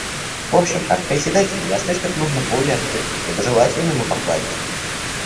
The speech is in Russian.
В общем, как Председатель, я остаюсь как можно более открытым, благожелательным и покладистым.